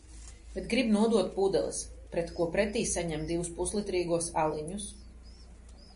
Bet grib nodot pudeles, pret ko pretī saņem divus puslitrīgos aliņus.